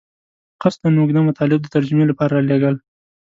قصداً اوږده مطالب د ترجمې لپاره رالېږل.